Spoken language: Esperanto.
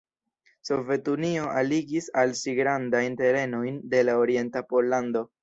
Sovetunio aligis al si grandajn terenojn de la orienta Pollando.